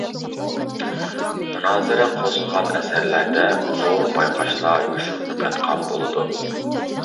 مۇنازىرە قوزغىغان ئەسەرلەردە زور بايقاشلار يوشۇرۇنۇپ ياتقان بولىدۇ.